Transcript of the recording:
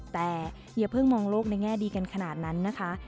แต่อย่าเพิ่งมองโลกในแง่ดีกันขนาดนั้นนะคะ